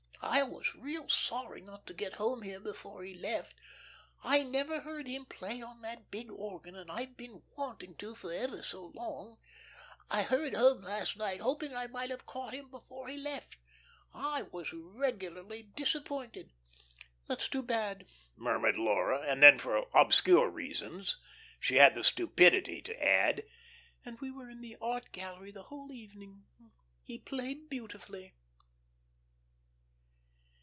I was real sorry not to get home here before he left. I've never heard him play on that big organ, and I've been wanting to for ever so long. I hurried home last night, hoping I might have caught him before he left. I was regularly disappointed." "That's too bad," murmured Laura, and then, for obscure reasons, she had the stupidity to add: "And we were in the art gallery the whole evening. He played beautifully."